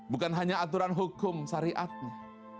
bukan hanya aturan hukum syariatnya